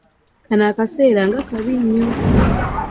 Kano akaseera nga kabi nnyo.